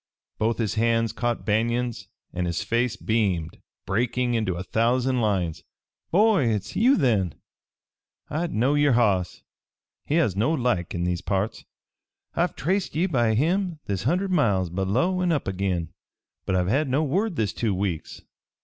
Both his hands caught Banion's and his face beamed, breaking into a thousand lines. "Boy, hit's you, then! I knowed yer hoss he has no like in these parts. I've traced ye by him this hundred miles below an' up agin, but I've had no word this two weeks.